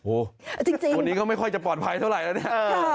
โอ้โฮตัวนี้ก็ไม่ค่อยจะปลอดภัยเท่าไรแล้วเนี่ย